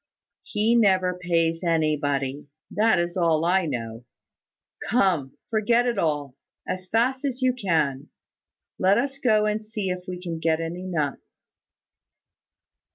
"He never pays anybody; that is all I know. Come, forget it all, as fast as you can. Let us go and see if we can get any nuts."